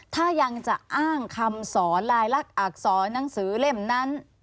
ถ้ายังจะอ้างคำสอนลายลักษณ์อักษรหนังสือเล่มนั้น